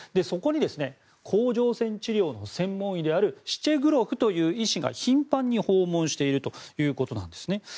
そこに甲状腺治療の専門医であるシチェグロフという医師が頻繁に訪問しているということなんですね。